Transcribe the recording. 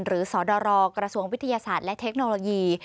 สอดรกระทรวงวิทยาศาสตร์และเทคโนโลยี